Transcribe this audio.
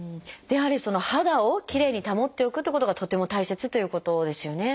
やはり肌をきれいに保っておくってことがとっても大切ということですよね。